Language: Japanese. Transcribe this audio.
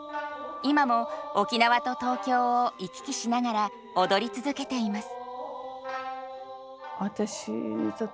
今も沖縄と東京を行き来しながら踊り続けています。